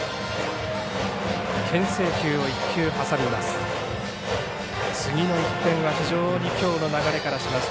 けん制球を１球挟みます。